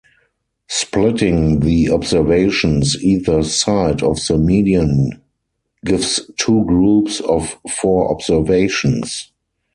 Splitting the observations either side of the median gives two groups of four observations.